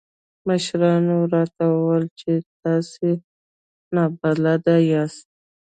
مشرانو راته وويل چې تاسې نابلده ياست.